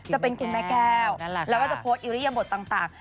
จะเป็นคุณแม่แก้วแล้วก็จะโพสต์อิริยบทต่าง